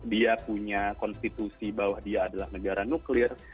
dia punya konstitusi bahwa dia adalah negara nuklir